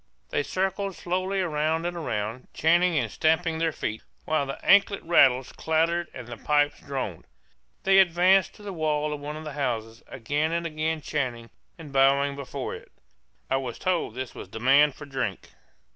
They circled slowly round and round, chanting and stamping their feet, while the anklet rattles clattered and the pipes droned. They advanced to the wall of one of the houses, again and again chanting and bowing before it; I was told this was a demand for drink.